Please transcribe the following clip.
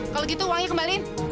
kalau gitu uangnya kembaliin